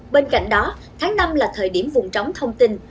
bên cạnh đó tháng năm là thời điểm vùng tróng thông tin